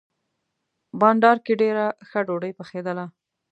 بانډار کې ډېره ښه ډوډۍ پخېدله.